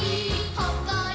「ほっこり」